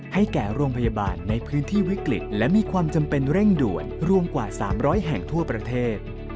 ให้แก่โรงพยาบาลในพื้นที่วิกฤตและมีความจำเป็นเร่งด่วนรวมกว่า๓๐๐แห่งทั่วประเทศ